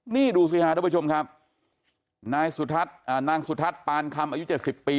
นี่ดูสิฮะทุกผู้ชมครับนายสุนางสุทัศน์ปานคำอายุ๗๐ปี